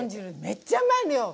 めっちゃうまいのよ！